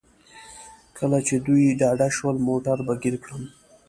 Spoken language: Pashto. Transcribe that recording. کله چې دوی ډاډه شول موټر به ګیر کړم.